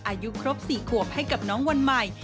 อายุครบ๔ขวบให้กับน้องวันใหม่